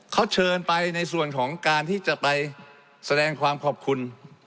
เขาเชิญไปในส่วนของการที่จะไปแสดงความขอบคุณ